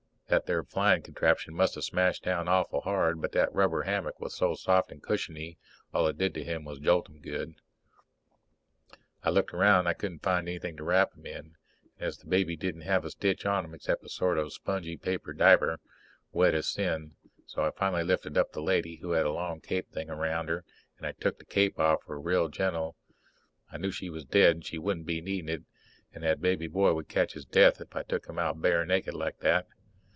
That there flying contraption must have smashed down awful hard, but that rubber hammock was so soft and cushiony all it did to him was jolt him good. I looked around but I couldn't find anything to wrap him in. And the baby didn't have a stitch on him except a sort of spongy paper diaper, wet as sin. So I finally lifted up the lady, who had a long cape thing around her, and I took the cape off her real gentle. I knew she was dead and she wouldn't be needin' it, and that boy baby would catch his death if I took him out bare naked like that.